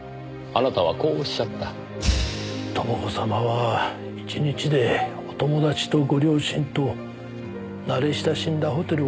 朋子様は１日でお友達とご両親と慣れ親しんだホテルをなくされて。